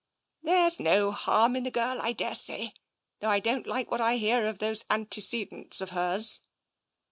There's no harm in the girl, I daresay, though I don't like what I hear of those antecedents of hers."